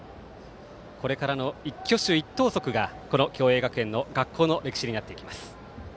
これからの一挙手一投足が共栄学園の学校の歴史になっていきます。